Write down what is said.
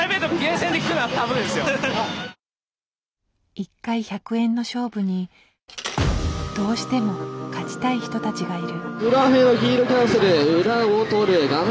１回１００円の勝負にどうしても勝ちたい人たちがいる。